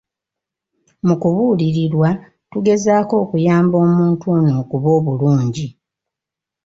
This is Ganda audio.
Mu kubuulirirwa, tugezaako okuyamba omuntu ono okuba obulungi.